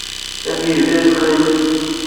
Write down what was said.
Sami yebda yesqelliq Layla.